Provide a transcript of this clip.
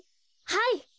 はい。